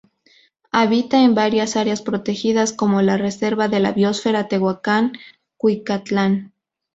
Habita en varias áreas protegidas como la Reserva de la Biósfera Tehuacán-Cuicatlán.